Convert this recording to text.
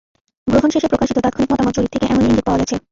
গ্রহণ শেষে প্রকাশিত তাৎক্ষণিক মতামত জরিপ থেকে এমনই ইঙ্গিত পাওয়া গেছে।